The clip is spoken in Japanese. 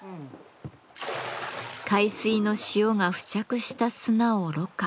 海水の塩が付着した砂をろ過。